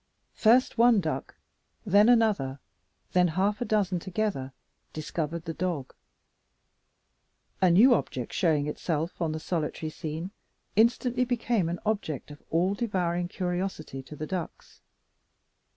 First one duck, then another, then half a dozen together, discovered the dog. A new object showing itself on the solitary scene instantly became an object of all devouring curiosity to the ducks.